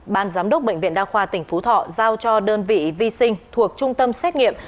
ban giám đốc bệnh viện đa khoa tỉnh phú thọ giao cho đơn vị vi sinh thuộc trung tâm xét nghiệm